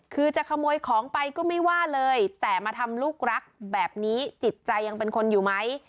คือจะขโมยของไปก็ไม่ว่าเลยแต่มาทำลูกรักแบบนี้จิตใจยังเป็นคนอยู่ไหม